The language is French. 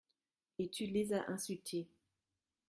Et tu les as insultés.